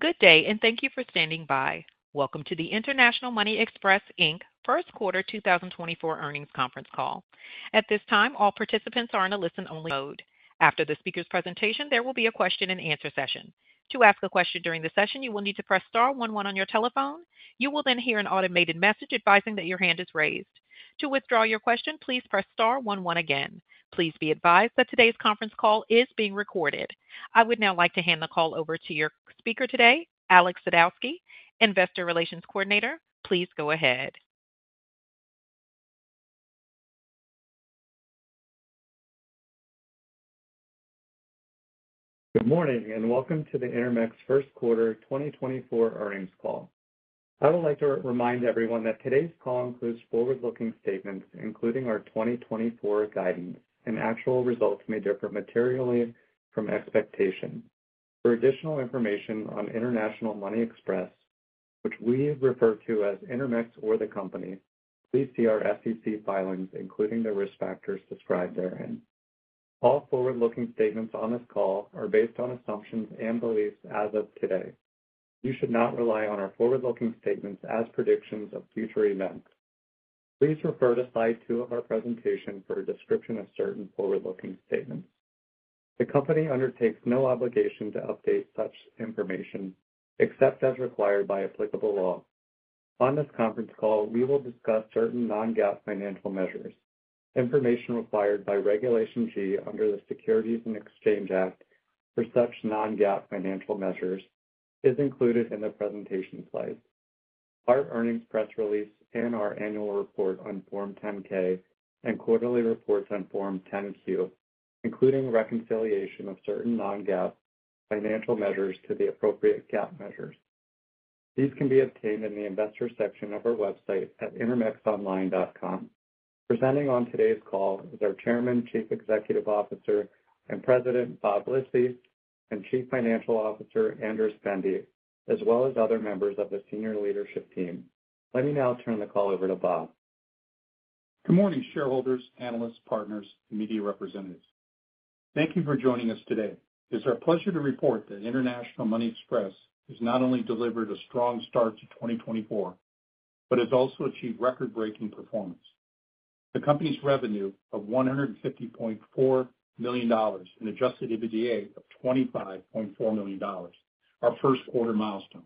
Good day, and thank you for standing by. Welcome to the International Money Express, Inc. First Quarter 2024 earnings conference call. At this time, all participants are in a listen-only mode. After the speaker's presentation, there will be a question-and-answer session. To ask a question during the session, you will need to press star one one on your telephone. You will then hear an automated message advising that your hand is raised. To withdraw your question, please press star one one again. Please be advised that today's conference call is being recorded. I would now like to hand the call over to your speaker today, Alex Sadowski, Investor Relations Coordinator. Please go ahead. Good morning, and welcome to the Intermex first quarter 2024 earnings call. I would like to remind everyone that today's call includes forward-looking statements, including our 2024 guidance, and actual results may differ materially from expectation. For additional information on International Money Express, which we refer to as Intermex or the company, please see our SEC filings, including the risk factors described therein. All forward-looking statements on this call are based on assumptions and beliefs as of today. You should not rely on our forward-looking statements as predictions of future events. Please refer to slide two of our presentation for a description of certain forward-looking statements. The company undertakes no obligation to update such information, except as required by applicable law. On this conference call, we will discuss certain non-GAAP financial measures. Information required by Regulation G under the Securities and Exchange Act for such non-GAAP financial measures is included in the presentation slides. Our earnings press release and our annual report on Form 10-K and quarterly reports on Form 10-Q, including reconciliation of certain non-GAAP financial measures to the appropriate GAAP measures. These can be obtained in the Investor section of our website at intermexonline.com. Presenting on today's call is our Chairman, Chief Executive Officer, and President, Bob Lisy, and Chief Financial Officer, Andras Bende, as well as other members of the senior leadership team. Let me now turn the call over to Bob. Good morning, shareholders, analysts, partners, and media representatives. Thank you for joining us today. It's our pleasure to report that International Money Express has not only delivered a strong start to 2024 but has also achieved record-breaking performance. The company's revenue of $150.4 million and adjusted EBITDA of $25.4 million are first-quarter milestones.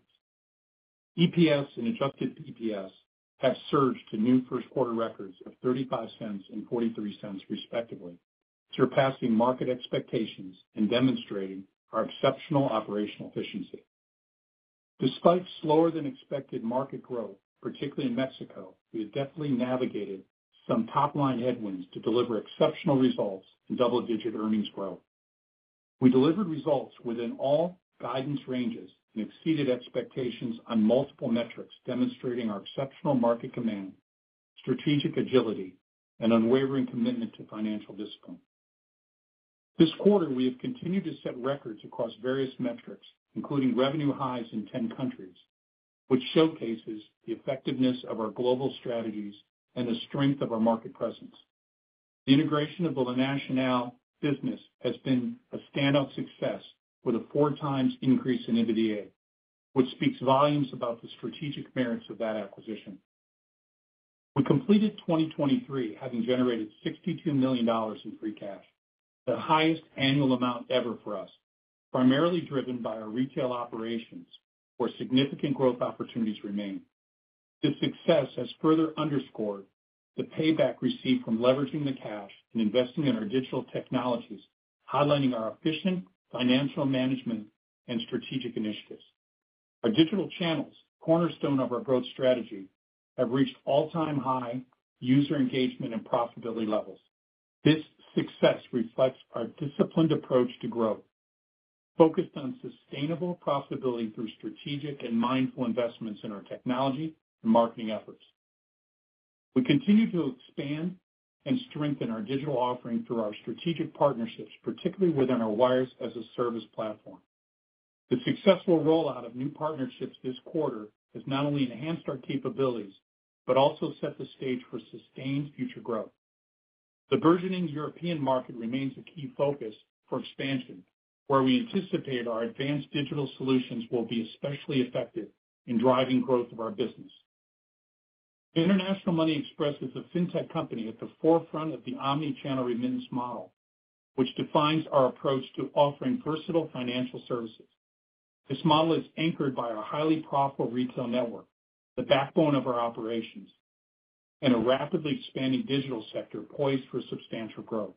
EPS and adjusted EPS have surged to new first-quarter records of $0.35 and $0.43, respectively, surpassing market expectations and demonstrating our exceptional operational efficiency. Despite slower-than-expected market growth, particularly in Mexico, we have definitely navigated some top-line headwinds to deliver exceptional results and double-digit earnings growth. We delivered results within all guidance ranges and exceeded expectations on multiple metrics, demonstrating our exceptional market command, strategic agility, and unwavering commitment to financial discipline. This quarter, we have continued to set records across various metrics, including revenue highs in 10 countries, which showcases the effectiveness of our global strategies and the strength of our market presence. The integration of the La Nacional business has been a standout success with a 4x increase in EBITDA, which speaks volumes about the strategic merits of that acquisition. We completed 2023, having generated $62 million in free cash, the highest annual amount ever for us, primarily driven by our retail operations, where significant growth opportunities remain. This success has further underscored the payback received from leveraging the cash and investing in our digital technologies, highlighting our efficient financial management and strategic initiatives. Our digital channels, cornerstone of our growth strategy, have reached all-time high user engagement and profitability levels. This success reflects our disciplined approach to growth, focused on sustainable profitability through strategic and mindful investments in our technology and marketing efforts. We continue to expand and strengthen our digital offering through our strategic partnerships, particularly within our wires-as-a-service platform. The successful rollout of new partnerships this quarter has not only enhanced our capabilities but also set the stage for sustained future growth. The burgeoning European market remains a key focus for expansion, where we anticipate our advanced digital solutions will be especially effective in driving growth of our business. International Money Express is a fintech company at the forefront of the omnichannel remittance model, which defines our approach to offering personal financial services. This model is anchored by our highly profitable retail network, the backbone of our operations, and a rapidly expanding digital sector poised for substantial growth.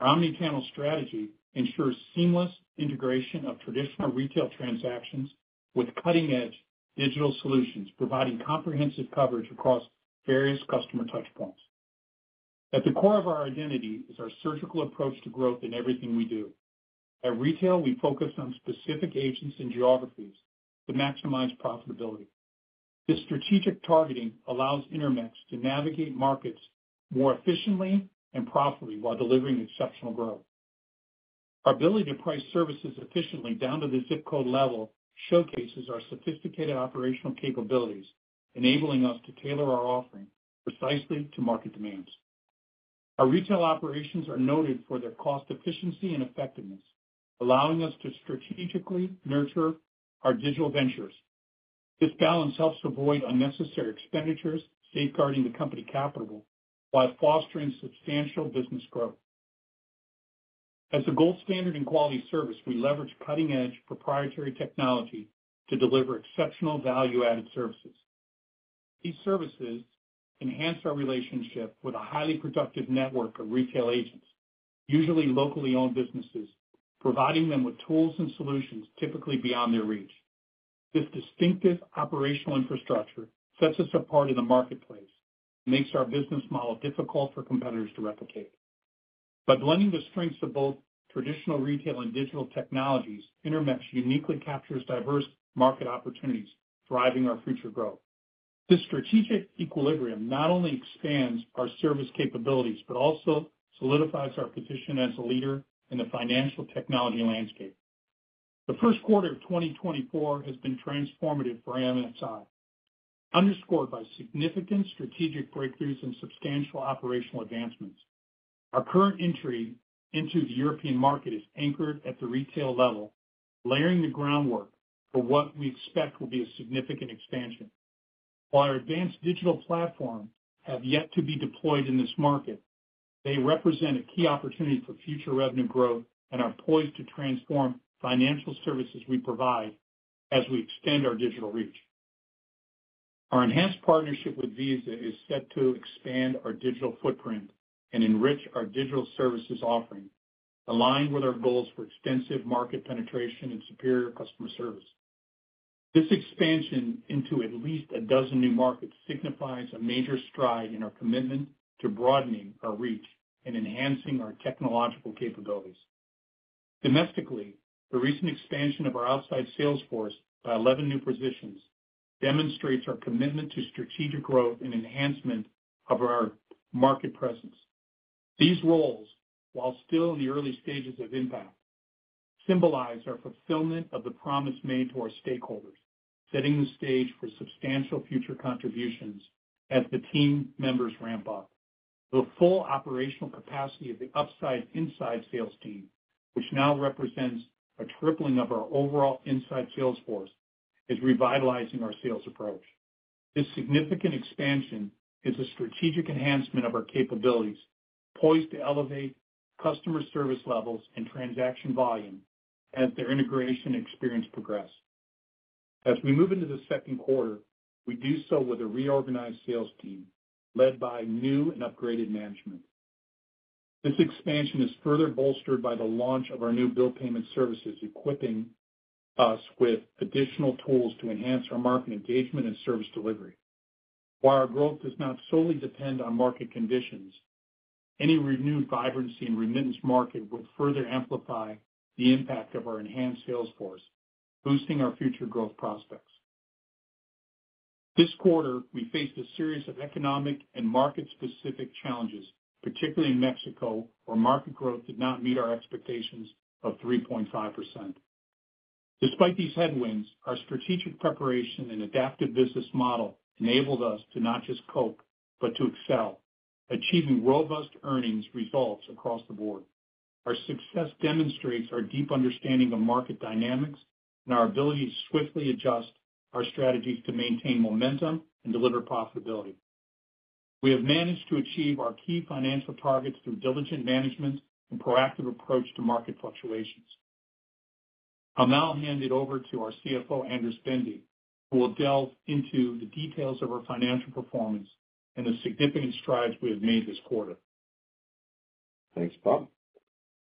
Our omnichannel strategy ensures seamless integration of traditional retail transactions with cutting-edge digital solutions, providing comprehensive coverage across various customer touchpoints. At the core of our identity is our surgical approach to growth in everything we do. At retail, we focus on specific agents and geographies to maximize profitability. This strategic targeting allows Intermex to navigate markets more efficiently and profitably while delivering exceptional growth. Our ability to price services efficiently down to the zip code level showcases our sophisticated operational capabilities, enabling us to tailor our offering precisely to market demands. Our retail operations are noted for their cost efficiency and effectiveness, allowing us to strategically nurture our digital ventures. This balance helps to avoid unnecessary expenditures, safeguarding the company capital, while fostering substantial business growth. As a gold standard in quality service, we leverage cutting-edge proprietary technology to deliver exceptional value-added services. These services enhance our relationship with a highly productive network of retail agents, usually locally owned businesses, providing them with tools and solutions typically beyond their reach. This distinctive operational infrastructure sets us apart in the marketplace and makes our business model difficult for competitors to replicate. By blending the strengths of both traditional retail and digital technologies, Intermex uniquely captures diverse market opportunities, driving our future growth. This strategic equilibrium not only expands our service capabilities, but also solidifies our position as a leader in the financial technology landscape. The first quarter of 2024 has been transformative for Intermex, underscored by significant strategic breakthroughs and substantial operational advancements. Our current entry into the European market is anchored at the retail level, laying the groundwork for what we expect will be a significant expansion. While our advanced digital platform have yet to be deployed in this market, they represent a key opportunity for future revenue growth and are poised to transform financial services we provide as we extend our digital reach. Our enhanced partnership with Visa is set to expand our digital footprint and enrich our digital services offering, aligned with our goals for extensive market penetration and superior customer service. This expansion into at least a dozen new markets signifies a major stride in our commitment to broadening our reach and enhancing our technological capabilities. Domestically, the recent expansion of our outside sales force by 11 new positions demonstrates our commitment to strategic growth and enhancement of our market presence. These roles, while still in the early stages of impact, symbolize our fulfillment of the promise made to our stakeholders, setting the stage for substantial future contributions as the team members ramp up. The full operational capacity of the upside inside sales team, which now represents a tripling of our overall inside sales force, is revitalizing our sales approach. This significant expansion is a strategic enhancement of our capabilities, poised to elevate customer service levels and transaction volume as their integration experience progress. As we move into the second quarter, we do so with a reorganized sales team led by new and upgraded management. This expansion is further bolstered by the launch of our new bill payment services, equipping us with additional tools to enhance our market engagement and service delivery. While our growth does not solely depend on market conditions, any renewed vibrancy in remittance market will further amplify the impact of our enhanced sales force, boosting our future growth prospects. This quarter, we faced a series of economic and market-specific challenges, particularly in Mexico, where market growth did not meet our expectations of 3.5%. Despite these headwinds, our strategic preparation and adaptive business model enabled us to not just cope, but to excel, achieving robust earnings results across the board. Our success demonstrates our deep understanding of market dynamics and our ability to swiftly adjust our strategies to maintain momentum and deliver profitability. We have managed to achieve our key financial targets through diligent management and proactive approach to market fluctuations. I'll now hand it over to our CFO, Andras Bende, who will delve into the details of our financial performance and the significant strides we have made this quarter. Thanks, Bob.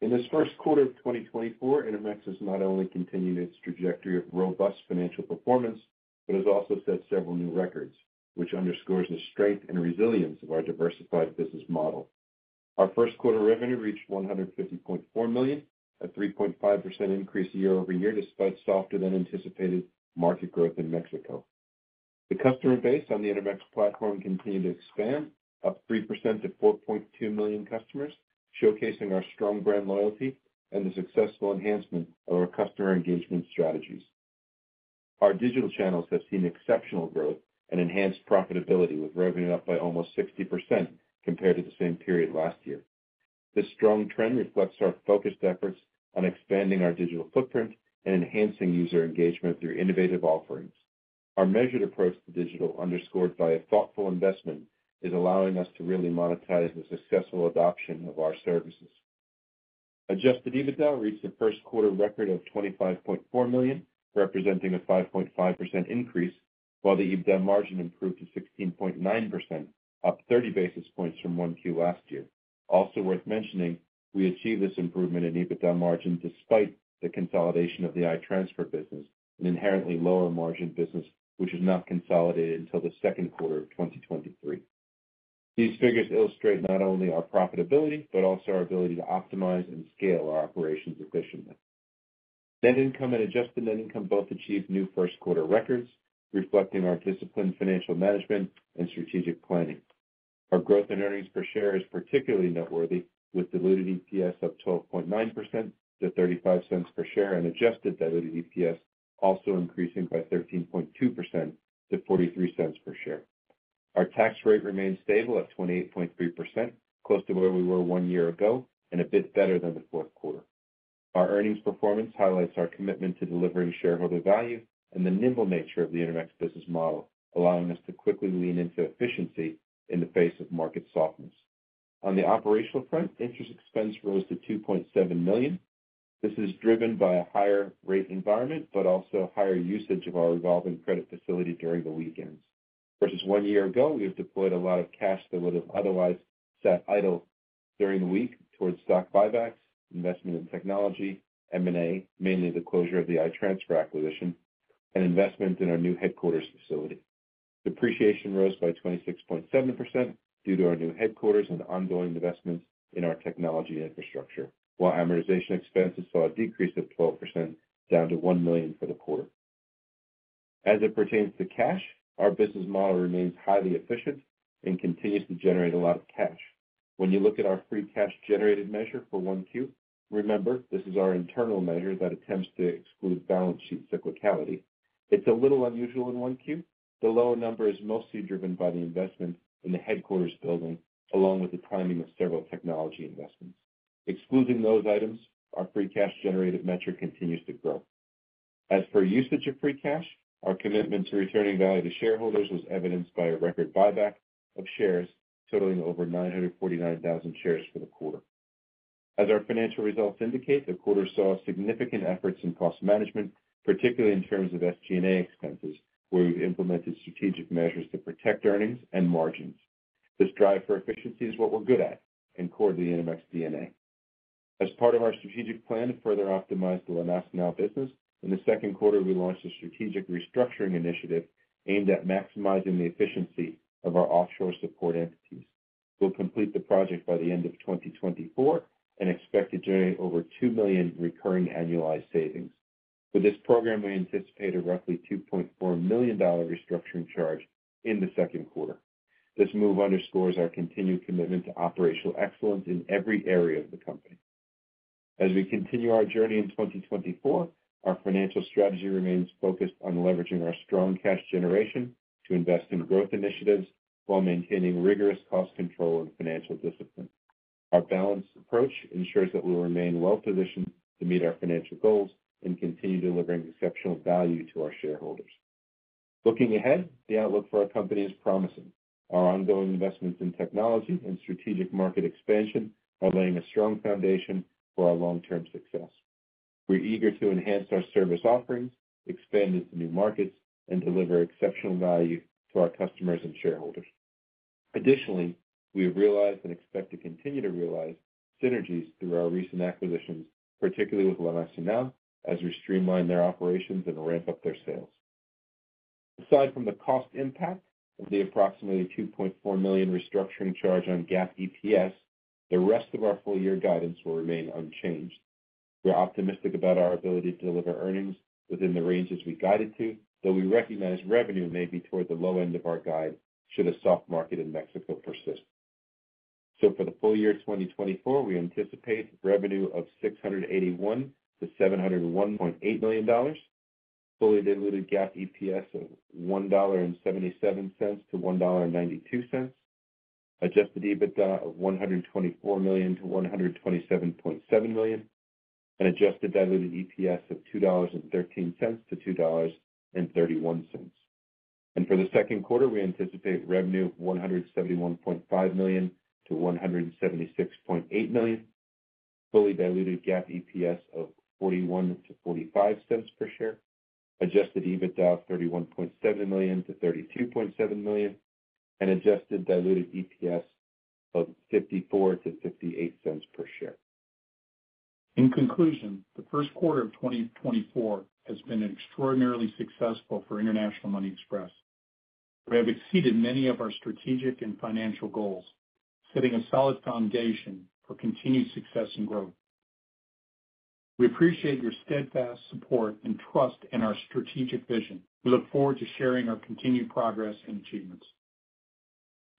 In this first quarter of 2024, Intermex has not only continued its trajectory of robust financial performance, but has also set several new records, which underscores the strength and resilience of our diversified business model. Our first quarter revenue reached $150.4 million, a 3.5% increase year-over-year, despite softer than anticipated market growth in Mexico. The customer base on the Intermex platform continued to expand, up 3% to 4.2 million customers, showcasing our strong brand loyalty and the successful enhancement of our customer engagement strategies. Our digital channels have seen exceptional growth and enhanced profitability, with revenue up by almost 60% compared to the same period last year. This strong trend reflects our focused efforts on expanding our digital footprint and enhancing user engagement through innovative offerings. Our measured approach to digital, underscored by a thoughtful investment, is allowing us to really monetize the successful adoption of our services. Adjusted EBITDA reached a first quarter record of $25.4 million, representing a 5.5% increase, while the EBITDA margin improved to 16.9%, up 30 basis points from 1Q last year. Also worth mentioning, we achieved this improvement in EBITDA margin despite the consolidation of the i-Transfer business, an inherently lower margin business, which is not consolidated until the second quarter of 2023. These figures illustrate not only our profitability, but also our ability to optimize and scale our operations efficiently. Net income and adjusted net income both achieved new first quarter records, reflecting our disciplined financial management and strategic planning. Our growth in earnings per share is particularly noteworthy, with diluted EPS up 12.9% to $0.35 per share, and adjusted diluted EPS also increasing by 13.2% to $0.43 per share. Our tax rate remains stable at 28.3%, close to where we were one year ago and a bit better than the fourth quarter. Our earnings performance highlights our commitment to delivering shareholder value and the nimble nature of the Intermex business model, allowing us to quickly lean into efficiency in the face of market softness. On the operational front, interest expense rose to $2.7 million. This is driven by a higher rate environment, but also higher usage of our revolving credit facility during the weekend. Versus one year ago, we have deployed a lot of cash that would have otherwise sat idle during the week towards stock buybacks, investment in technology, M&A, mainly the closure of the i-Transfer acquisition, and investment in our new headquarters facility. Depreciation rose by 26.7% due to our new headquarters and ongoing investments in our technology infrastructure, while amortization expenses saw a decrease of 12%, down to $1 million for the quarter. As it pertains to cash, our business model remains highly efficient and continues to generate a lot of cash. When you look at our free cash generated measure for 1Q, remember, this is our internal measure that attempts to exclude balance sheet cyclicality. It's a little unusual in 1Q. The lower number is mostly driven by the investment in the headquarters building, along with the timing of several technology investments. Excluding those items, our free cash generated metric continues to grow. As for usage of free cash, our commitment to returning value to shareholders was evidenced by a record buyback of shares totaling over 949,000 shares for the quarter. As our financial results indicate, the quarter saw significant efforts in cost management, particularly in terms of SG&A expenses, where we've implemented strategic measures to protect earnings and margins. This drive for efficiency is what we're good at and core to the Intermex DNA. As part of our strategic plan to further optimize the La Nacional business, in the second quarter, we launched a strategic restructuring initiative aimed at maximizing the efficiency of our offshore support entities. We'll complete the project by the end of 2024 and expect to generate over $2 million recurring annualized savings. For this program, we anticipate a roughly $2.4 million restructuring charge in the second quarter. This move underscores our continued commitment to operational excellence in every area of the company. As we continue our journey in 2024, our financial strategy remains focused on leveraging our strong cash generation to invest in growth initiatives while maintaining rigorous cost control and financial discipline. Our balanced approach ensures that we will remain well-positioned to meet our financial goals and continue delivering exceptional value to our shareholders. Looking ahead, the outlook for our company is promising. Our ongoing investments in technology and strategic market expansion are laying a strong foundation for our long-term success. We're eager to enhance our service offerings, expand into new markets, and deliver exceptional value to our customers and shareholders. Additionally, we have realized and expect to continue to realize synergies through our recent acquisitions, particularly with La Nacional, as we streamline their operations and ramp up their sales. Aside from the cost impact of the approximately $2.4 million restructuring charge on GAAP EPS, the rest of our full-year guidance will remain unchanged. We're optimistic about our ability to deliver earnings within the ranges we guided to, though we recognize revenue may be toward the low end of our guide should a soft market in Mexico persist. So for the full year 2024, we anticipate revenue of $681 million-$701.8 million, fully diluted GAAP EPS of $1.77-$1.92, adjusted EBITDA of $124 million-$127.7 million, and adjusted diluted EPS of $2.13-$2.31. And for the second quarter, we anticipate revenue of $171.5 million-$176.8 million, fully diluted GAAP EPS of $0.41-$0.45 per share, adjusted EBITDA of $31.7 million-$32.7 million, and adjusted diluted EPS of $0.54-$0.58 per share. In conclusion, the first quarter of 2024 has been extraordinarily successful for International Money Express. We have exceeded many of our strategic and financial goals, setting a solid foundation for continued success and growth. We appreciate your steadfast support and trust in our strategic vision. We look forward to sharing our continued progress and achievements.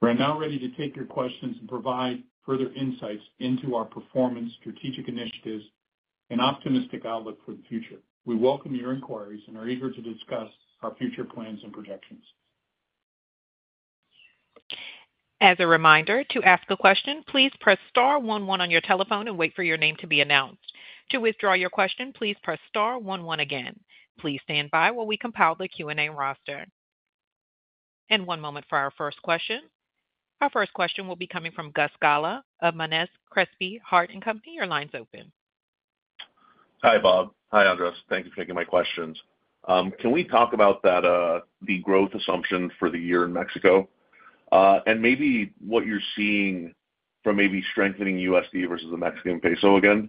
We are now ready to take your questions and provide further insights into our performance, strategic initiatives, and optimistic outlook for the future. We welcome your inquiries and are eager to discuss our future plans and projections. As a reminder, to ask a question, please press star one one on your telephone and wait for your name to be announced. To withdraw your question, please press star one one again. Please stand by while we compile the Q&A roster. One moment for our first question. Our first question will be coming from Gus Gala of Monness, Crespi, Hardt and Company. Your line's open. Hi, Bob. Hi, Andras. Thank you for taking my questions. Can we talk about that, the growth assumption for the year in Mexico? And maybe what you're seeing from maybe strengthening USD versus the Mexican peso again.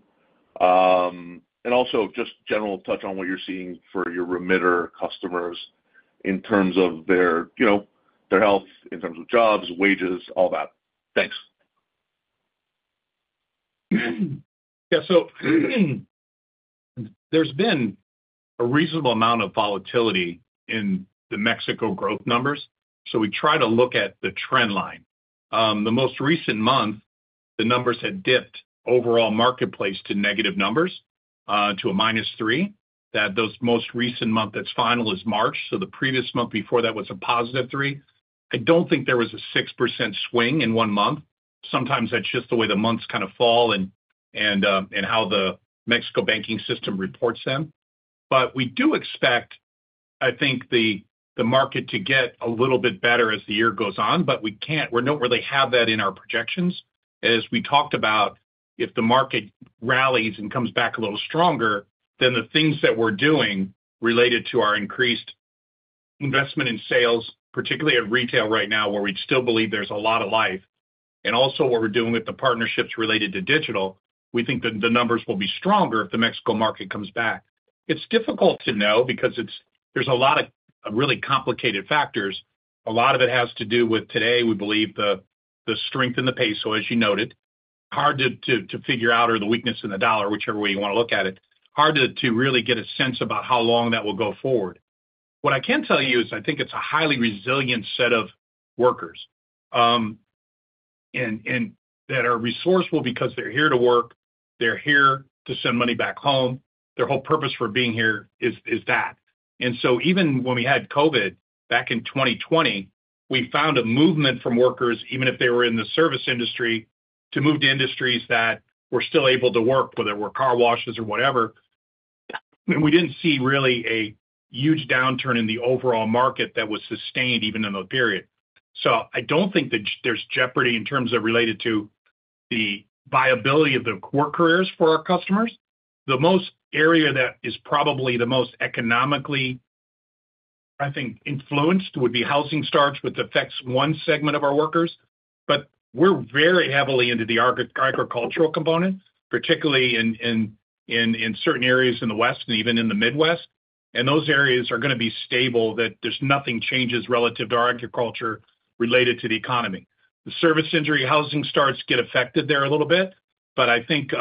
And also just general touch on what you're seeing for your remitter customers in terms of their, you know, their health, in terms of jobs, wages, all that. Thanks. Yeah, so there's been a reasonable amount of volatility in the Mexico growth numbers, so we try to look at the trend line. The most recent month-... the numbers had dipped overall marketplace to negative numbers to a -3. That, the most recent month that's final is March, so the previous month before that was a +3. I don't think there was a 6% swing in one month. Sometimes that's just the way the months kind of fall and how the Mexico banking system reports them. But we do expect, I think, the market to get a little bit better as the year goes on, but we can't, we don't really have that in our projections. As we talked about, if the market rallies and comes back a little stronger, then the things that we're doing related to our increased investment in sales, particularly at retail right now, where we still believe there's a lot of life, and also what we're doing with the partnerships related to digital, we think that the numbers will be stronger if the Mexico market comes back. It's difficult to know because there's a lot of really complicated factors. A lot of it has to do with today, we believe, the strength in the peso, as you noted. Hard to figure out, or the weakness in the dollar, whichever way you want to look at it. Hard to really get a sense about how long that will go forward. What I can tell you is I think it's a highly resilient set of workers, and that are resourceful because they're here to work, they're here to send money back home. Their whole purpose for being here is that. And so even when we had COVID back in 2020, we found a movement from workers, even if they were in the service industry, to move to industries that were still able to work, whether it were car washes or whatever. We didn't see really a huge downturn in the overall market that was sustained even in the period. So I don't think that there's jeopardy in terms of related to the viability of the work careers for our customers. The most area that is probably the most economically, I think, influenced, would be housing starts, which affects one segment of our workers. But we're very heavily into the agricultural component, particularly in certain areas in the West and even in the Midwest. And those areas are gonna be stable, that there's nothing changes relative to our agriculture related to the economy. The service industry, housing starts get affected there a little bit, but I think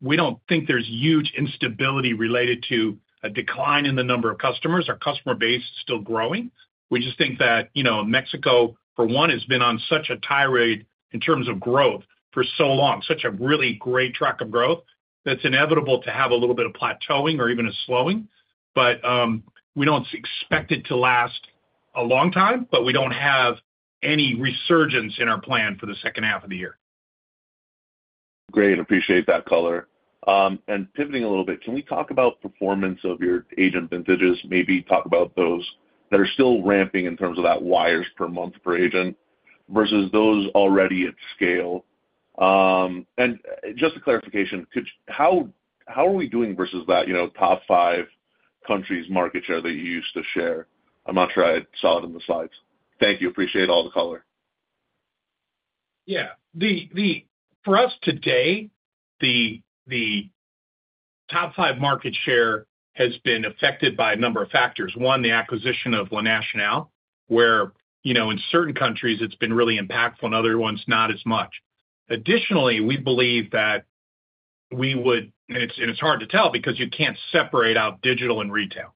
we don't think there's huge instability related to a decline in the number of customers. Our customer base is still growing. We just think that, you know, Mexico, for one, has been on such a tear in terms of growth for so long, such a really great track of growth, that's inevitable to have a little bit of plateauing or even a slowing. But we don't expect it to last a long time, but we don't have any resurgence in our plan for the second half of the year. Great, appreciate that color. And pivoting a little bit, can we talk about performance of your agent vintages? Maybe talk about those that are still ramping in terms of that wires per month per agent, versus those already at scale. And just a clarification, could you—how are we doing versus that, you know, top five countries market share that you used to share? I'm not sure I saw it in the slides. Thank you. Appreciate all the color. Yeah. The—for us today, the top five market share has been affected by a number of factors. One, the acquisition of La Nacional, where, you know, in certain countries, it's been really impactful, in other ones, not as much. Additionally, we believe that—and it's hard to tell because you can't separate out digital and retail.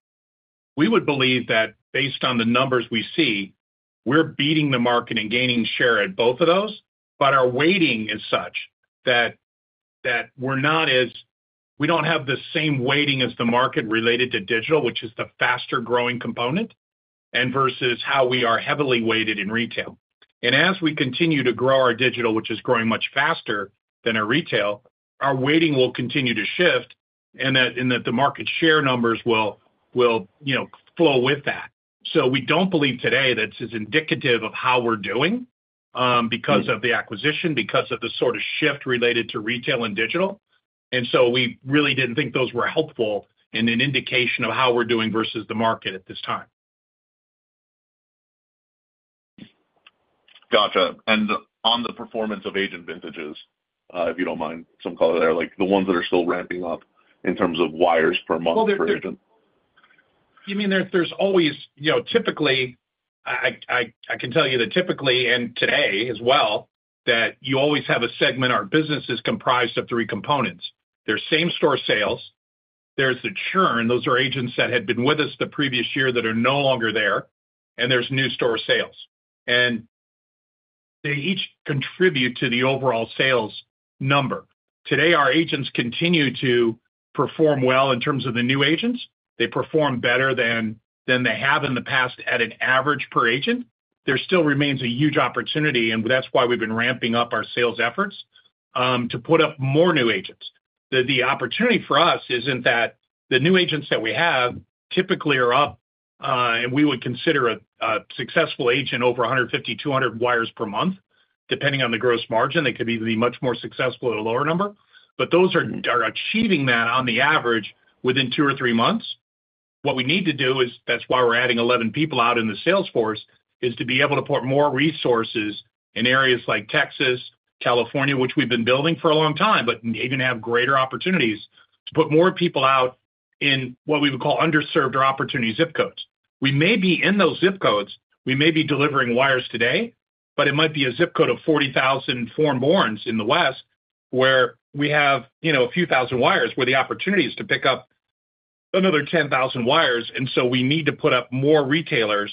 We would believe that based on the numbers we see, we're beating the market and gaining share at both of those, but our weighting is such that, that we're not as—we don't have the same weighting as the market related to digital, which is the faster growing component, and versus how we are heavily weighted in retail. And as we continue to grow our digital, which is growing much faster than our retail, our weighting will continue to shift, and that the market share numbers will, you know, flow with that. So we don't believe today that it's indicative of how we're doing, because of the acquisition, because of the sort of shift related to retail and digital. And so we really didn't think those were helpful in an indication of how we're doing versus the market at this time. Gotcha. On the performance of agent vintages, if you don't mind, some color there, like the ones that are still ramping up in terms of wires per month per agent. You mean, there's always, you know, typically, I can tell you that typically, and today as well, that you always have a segment. Our business is comprised of three components. There's same store sales, there's the churn, those are agents that had been with us the previous year that are no longer there, and there's new store sales. And they each contribute to the overall sales number. Today, our agents continue to perform well in terms of the new agents. They perform better than they have in the past at an average per agent. There still remains a huge opportunity, and that's why we've been ramping up our sales efforts to put up more new agents. The opportunity for us is in that the new agents that we have typically are up, and we would consider a successful agent over 150-200 wires per month, depending on the gross margin. They could be much more successful at a lower number. But those are achieving that on the average within 2 or 3 months. What we need to do is, that's why we're adding 11 people out in the sales force, is to be able to put more resources in areas like Texas, California, which we've been building for a long time, but even have greater opportunities to put more people out in what we would call underserved or opportunity zip codes. We may be in those zip codes, we may be delivering wires today, but it might be a zip code of 40,000 foreign borns in the West, where we have, you know, a few thousand wires, where the opportunity is to pick up another 10,000 wires, and so we need to put up more retailers,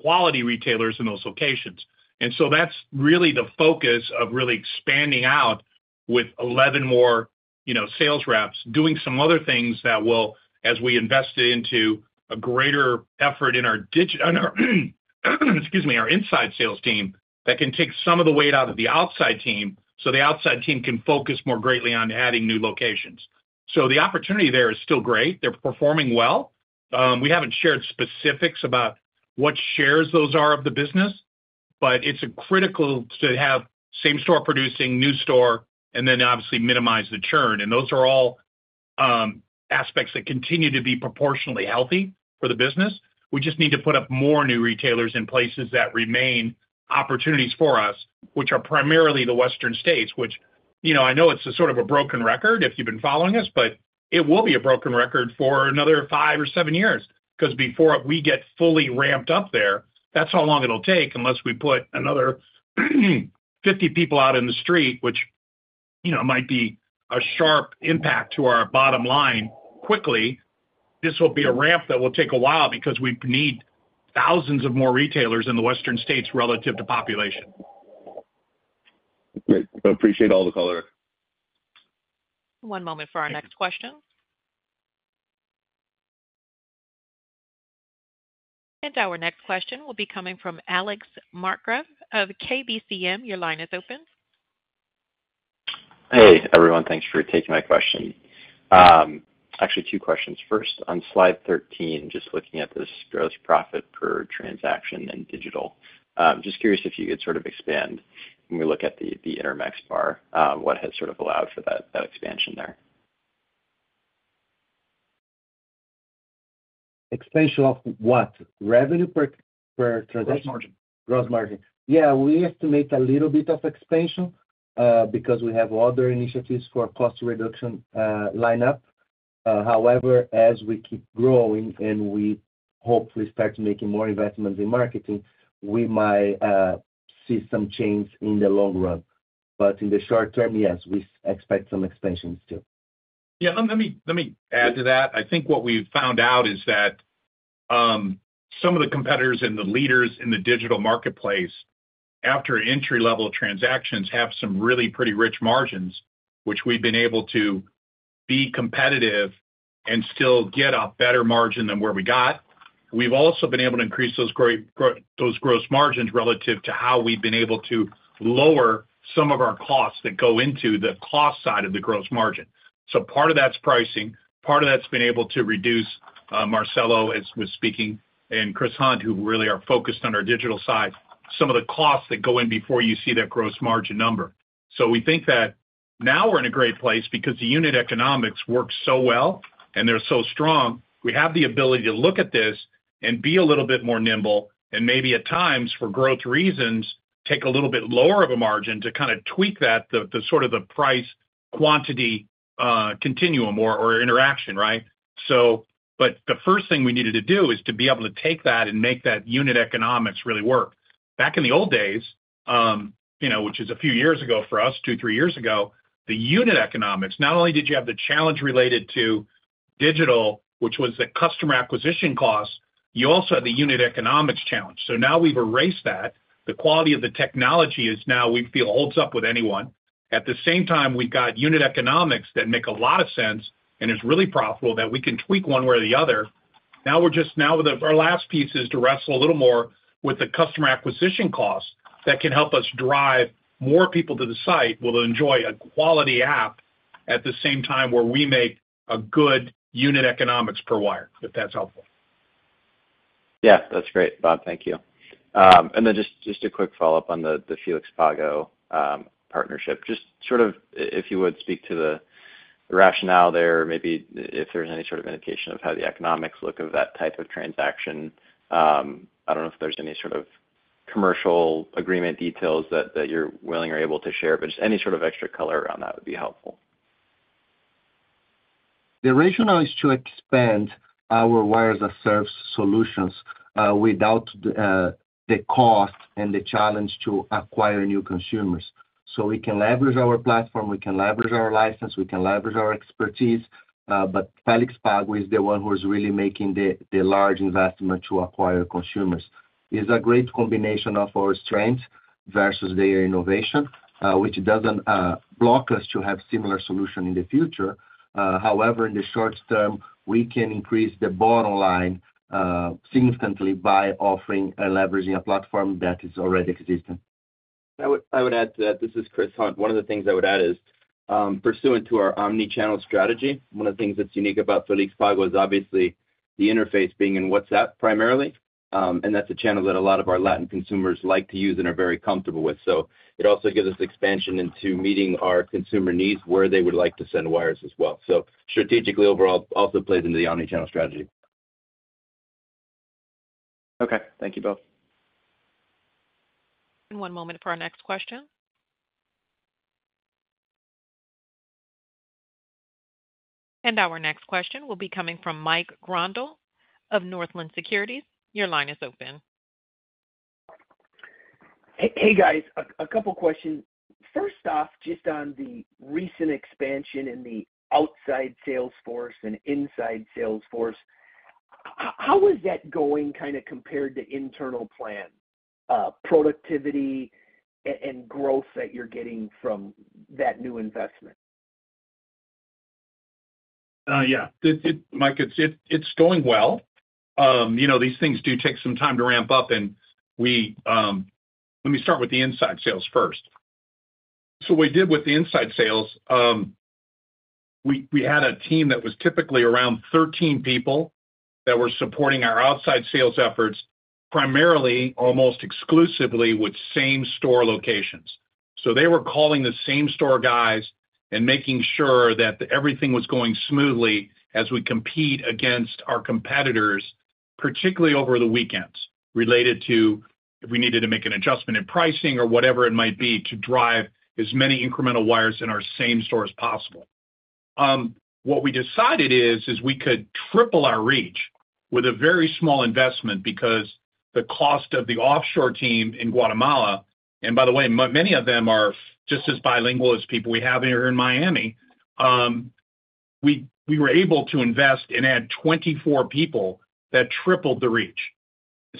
quality retailers in those locations. And so that's really the focus of really expanding out with 11 more, you know, sales reps, doing some other things that will, as we invest into a greater effort in our digital—on our, excuse me, our inside sales team, that can take some of the weight out of the outside team, so the outside team can focus more greatly on adding new locations. So the opportunity there is still great. They're performing well. We haven't shared specifics about what shares those are of the business, but it's critical to have same store producing, new store, and then obviously minimize the churn. And those are all aspects that continue to be proportionally healthy for the business. We just need to put up more new retailers in places that remain opportunities for us, which are primarily the Western states, which, you know, I know it's a sort of a broken record if you've been following us, but it will be a broken record for another 5 or 7 years. 'Cause before we get fully ramped up there, that's how long it'll take, unless we put another 50 people out in the street, which, you know, might be a sharp impact to our bottom line quickly. This will be a ramp that will take a while because we need thousands of more retailers in the western states relative to population. Great. I appreciate all the color. One moment for our next question. Our next question will be coming from Alex Markgraff of KBCM. Your line is open. Hey, everyone. Thanks for taking my question. Actually, two questions. First, on slide 13, just looking at this gross profit per transaction and digital, just curious if you could sort of expand when we look at the, the Intermex bar, what has sort of allowed for that, that expansion there? Expansion of what? Revenue per transaction? Gross margin. Gross margin. Yeah, we have to make a little bit of expansion, because we have other initiatives for cost reduction, line up. However, as we keep growing and we hopefully start making more investments in marketing, we might see some change in the long run. But in the short term, yes, we expect some expansion too. Yeah, let me add to that. I think what we've found out is that some of the competitors and the leaders in the digital marketplace, after entry-level transactions, have some really pretty rich margins, which we've been able to be competitive and still get a better margin than where we got. We've also been able to increase those gross margins relative to how we've been able to lower some of our costs that go into the cost side of the gross margin. So part of that's pricing, part of that's been able to reduce, Marcelo as was speaking, and Chris Hunt, who really are focused on our digital side, some of the costs that go in before you see that gross margin number. So we think that now we're in a great place because the unit economics work so well, and they're so strong. We have the ability to look at this and be a little bit more nimble, and maybe at times, for growth reasons, take a little bit lower of a margin to kind of tweak that, the, the sort of the price quantity continuum or, or interaction, right? So, but the first thing we needed to do is to be able to take that and make that unit economics really work. Back in the old days, you know, which is a few years ago for us, two, three years ago, the unit economics, not only did you have the challenge related to digital, which was the customer acquisition cost, you also had the unit economics challenge. So now we've erased that. The quality of the technology is now, we feel, holds up with anyone. At the same time, we've got unit economics that make a lot of sense and is really profitable, that we can tweak one way or the other. Now we're just with our last piece is to wrestle a little more with the customer acquisition costs that can help us drive more people to the site, will enjoy a quality app at the same time, where we make a good unit economics per wire, if that's helpful. Yeah, that's great, Bob, thank you. And then just a quick follow-up on the Félix Pago partnership. Just sort of, if you would speak to the rationale there, maybe if there's any sort of indication of how the economics look of that type of transaction. I don't know if there's any sort of commercial agreement details that you're willing or able to share, but just any sort of extra color around that would be helpful. The rationale is to expand our Wires-as-a-Service solutions without the cost and the challenge to acquire new consumers. So we can leverage our platform, we can leverage our license, we can leverage our expertise, but Félix Pago is the one who is really making the large investment to acquire consumers. It's a great combination of our strength versus their innovation, which doesn't block us to have similar solution in the future. However, in the short term, we can increase the bottom line significantly by offering and leveraging a platform that is already existing. I would, I would add to that. This is Chris Hunt. One of the things I would add is, pursuant to our omnichannel strategy, one of the things that's unique about Félix Pago is obviously the interface being in WhatsApp, primarily, and that's a channel that a lot of our Latin consumers like to use and are very comfortable with. So it also gives us expansion into meeting our consumer needs, where they would like to send wires as well. So strategically, overall, also plays into the omnichannel strategy. Okay. Thank you both. One moment for our next question. Our next question will be coming from Mike Grondahl of Northland Securities. Your line is open.... Hey, hey, guys, a couple questions. First off, just on the recent expansion in the outside sales force and inside sales force, how is that going kind of compared to internal plan, productivity and growth that you're getting from that new investment? Yeah, Mike, it's going well. You know, these things do take some time to ramp up, and we... Let me start with the inside sales first. So what we did with the inside sales, we had a team that was typically around 13 people that were supporting our outside sales efforts, primarily, almost exclusively, with same-store locations. So they were calling the same-store guys and making sure that everything was going smoothly as we compete against our competitors, particularly over the weekends, related to if we needed to make an adjustment in pricing or whatever it might be, to drive as many incremental wires in our same store as possible. What we decided is we could triple our reach with a very small investment because the cost of the offshore team in Guatemala, and by the way, many of them are just as bilingual as people we have here in Miami. We were able to invest and add 24 people that tripled the reach.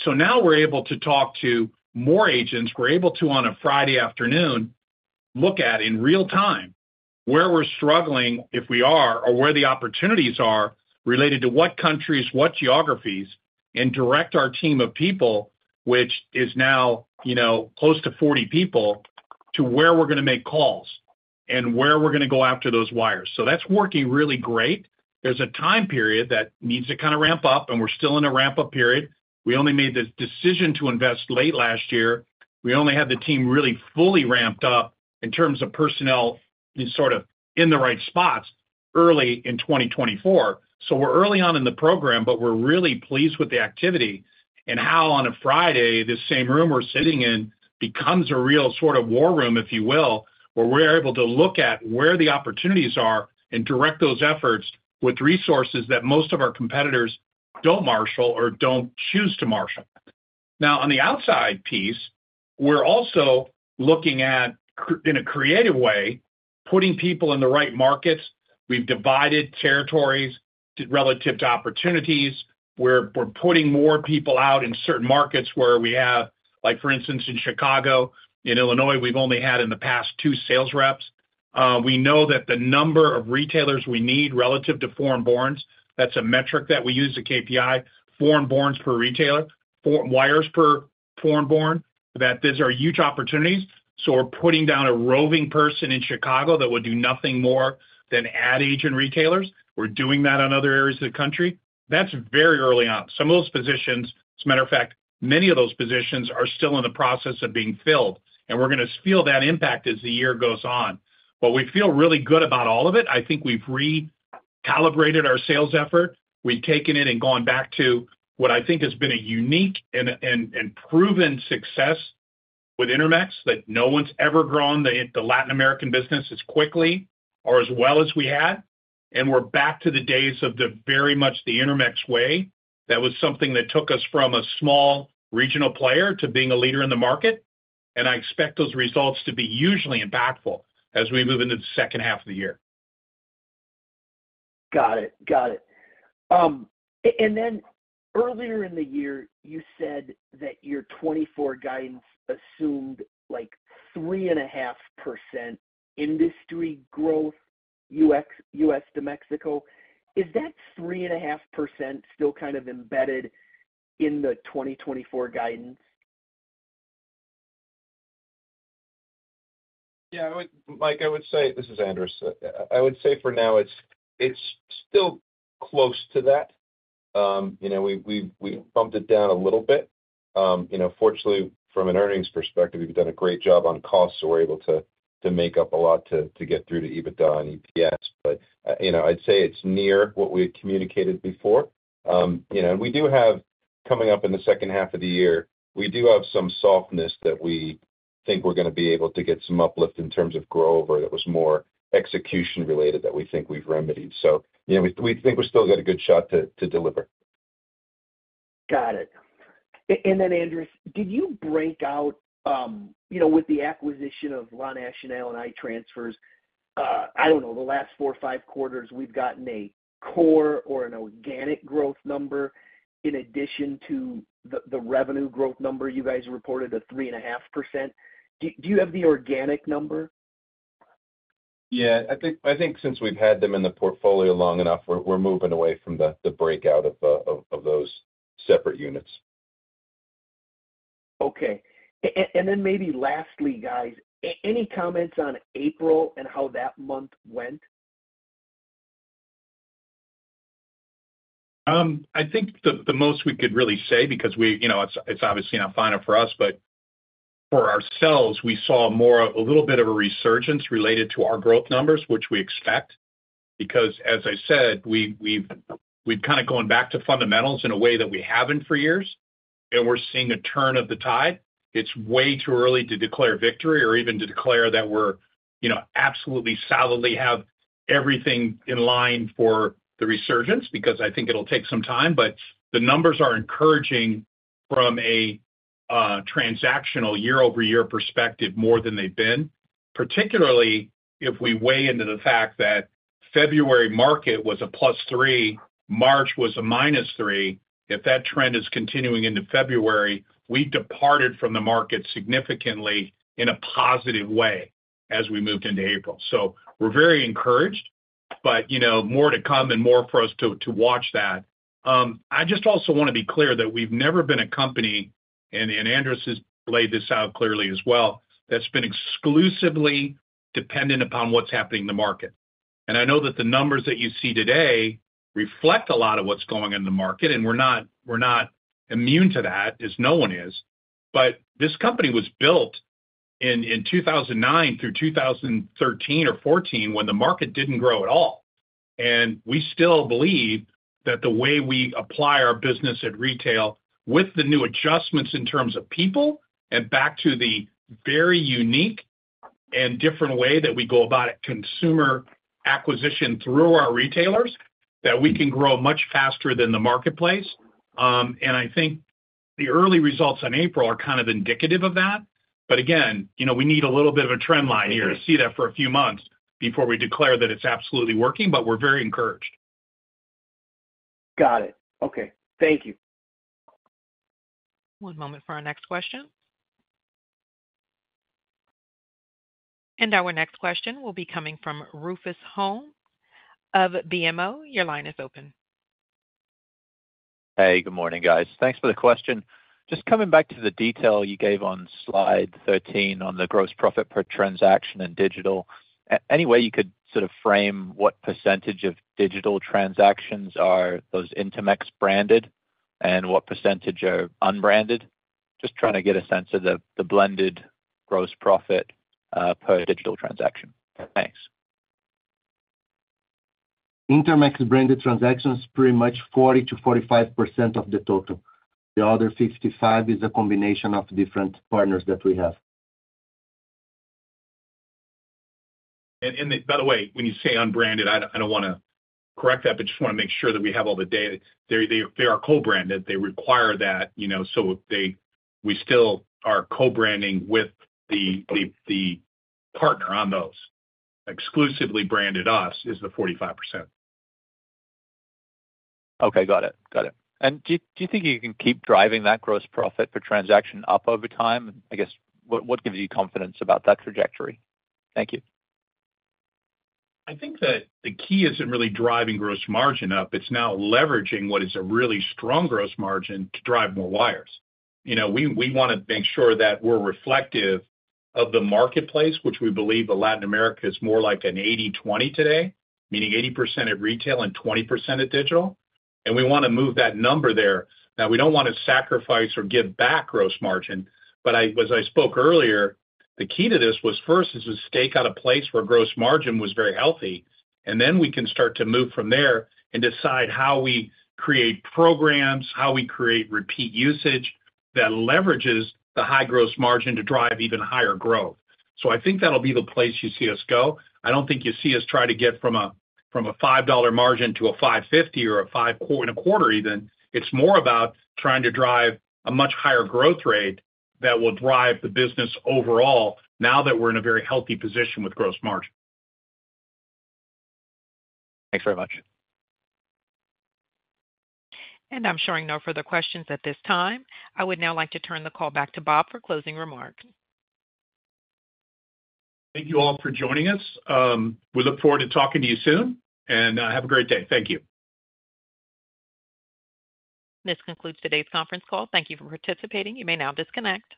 So now we're able to talk to more agents. We're able to, on a Friday afternoon, look at, in real time, where we're struggling, if we are, or where the opportunities are related to what countries, what geographies, and direct our team of people, which is now, you know, close to 40 people, to where we're gonna make calls and where we're gonna go after those wires. So that's working really great. There's a time period that needs to kind of ramp up, and we're still in a ramp-up period. We only made the decision to invest late last year. We only had the team really fully ramped up in terms of personnel sort of in the right spots early in 2024. So we're early on in the program, but we're really pleased with the activity and how, on a Friday, this same room we're sitting in becomes a real sort of war room, if you will, where we're able to look at where the opportunities are and direct those efforts with resources that most of our competitors don't marshal or don't choose to marshal. Now, on the outside piece, we're also looking at in a creative way, putting people in the right markets. We've divided territories relative to opportunities. We're putting more people out in certain markets where we have... Like, for instance, in Chicago, in Illinois, we've only had, in the past, two sales reps. We know that the number of retailers we need relative to foreign borns, that's a metric that we use, the KPI, foreign borns per retailer, for wires per foreign born, that these are huge opportunities. So we're putting down a roving person in Chicago that will do nothing more than add agent retailers. We're doing that in other areas of the country. That's very early on. Some of those positions, as a matter of fact, many of those positions are still in the process of being filled, and we're gonna feel that impact as the year goes on. But we feel really good about all of it. I think we've recalibrated our sales effort. We've taken it and gone back to what I think has been a unique and proven success with Intermex, that no one's ever grown the Latin American business as quickly or as well as we have. We're back to the days of very much the Intermex way. That was something that took us from a small regional player to being a leader in the market, and I expect those results to be usually impactful as we move into the second half of the year. Got it. Got it. And then earlier in the year, you said that your 2024 guidance assumed, like, 3.5% industry growth, U.S. to Mexico. Is that 3.5% still kind of embedded in the 2024 guidance? Yeah, I would, Mike, I would say, this is Andras. I would say for now, it's still close to that. You know, we've bumped it down a little bit. You know, fortunately, from an earnings perspective, we've done a great job on costs, so we're able to make up a lot to get through to EBITDA and EPS. But, you know, I'd say it's near what we had communicated before. You know, and we do have, coming up in the second half of the year, we do have some softness that we think we're gonna be able to get some uplift in terms of growth, or that was more execution-related, that we think we've remedied. So, you know, we think we've still got a good shot to deliver. Got it. And then, Andras, could you break out, um, you know, with the acquisition of La Nacional and i-transfer, uh, I don't know, the last four or five quarters, we've gotten a core or an organic growth number, in addition to the, the revenue growth number you guys reported, 3.5%. Do, do you have the organic number? Yeah. I think, I think since we've had them in the portfolio long enough, we're, we're moving away from the, the breakout of, of, of those separate units. Okay. And then maybe lastly, guys, any comments on April and how that month went? I think the most we could really say, because we, you know, it's obviously not final for us, but for ourselves, we saw more a little bit of a resurgence related to our growth numbers, which we expect, because as I said, we've kind of gone back to fundamentals in a way that we haven't for years, and we're seeing a turn of the tide. It's way too early to declare victory or even to declare that we're, you know, absolutely solidly have everything in line for the resurgence, because I think it'll take some time. But the numbers are encouraging from a transactional year-over-year perspective, more than they've been, particularly if we weigh into the fact that February market was a +3, March was a -3. If that trend is continuing into February, we departed from the market significantly in a positive way as we moved into April. So we're very encouraged, but, you know, more to come and more for us to watch that. I just also want to be clear that we've never been a company, and Andras has laid this out clearly as well, that's been exclusively dependent upon what's happening in the market. And I know that the numbers that you see today reflect a lot of what's going on in the market, and we're not, we're not immune to that, as no one is. But this company was built in 2009 through 2013 or 2014, when the market didn't grow at all. We still believe that the way we apply our business at retail, with the new adjustments in terms of people and back to the very unique and different way that we go about it, consumer acquisition through our retailers, that we can grow much faster than the marketplace. I think the early results in April are kind of indicative of that. But again, you know, we need a little bit of a trend line here to see that for a few months before we declare that it's absolutely working, but we're very encouraged. Got it. Okay. Thank you. One moment for our next question. Our next question will be coming from Rufus Hone of BMO. Your line is open. Hey, good morning, guys. Thanks for the question. Just coming back to the detail you gave on slide 13 on the gross profit per transaction in digital, any way you could sort of frame what % of digital transactions are those Intermex branded, and what % are unbranded? Just trying to get a sense of the blended gross profit per digital transaction. Thanks. Intermex branded transactions, pretty much 40%-45% of the total. The other 55% is a combination of different partners that we have. By the way, when you say unbranded, I don't wanna correct that, but just wanna make sure that we have all the data. They are co-branded. They require that, you know, so they—we still are co-branding with the partner on those. Exclusively branded us is the 45%. Okay, got it. Got it. Do you think you can keep driving that gross profit per transaction up over time? I guess, what gives you confidence about that trajectory? Thank you. I think that the key isn't really driving gross margin up. It's now leveraging what is a really strong gross margin to drive more wires. You know, we, we wanna make sure that we're reflective of the marketplace, which we believe that Latin America is more like an 80/20 today, meaning 80% at retail and 20% at digital, and we wanna move that number there. Now, we don't wanna sacrifice or give back gross margin, but I, as I spoke earlier, the key to this was first, is to stake out a place where gross margin was very healthy, and then we can start to move from there and decide how we create programs, how we create repeat usage that leverages the high gross margin to drive even higher growth. So I think that'll be the place you see us go. I don't think you see us try to get from a $5 margin to a $5.50 or a $5.25 even. It's more about trying to drive a much higher growth rate that will drive the business overall, now that we're in a very healthy position with gross margin. Thanks very much. I'm showing no further questions at this time. I would now like to turn the call back to Bob for closing remarks. Thank you all for joining us. We look forward to talking to you soon, and have a great day. Thank you. This concludes today's conference call. Thank you for participating. You may now disconnect.